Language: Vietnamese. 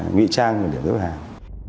nghị trang là điểm tập kết hàng